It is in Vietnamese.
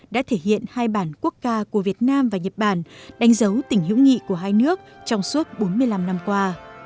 đã thể hiện hai bản quốc ca của việt nam và nhật bản đánh dấu tỉnh hữu nghị của hai nước trong suốt bốn mươi năm năm qua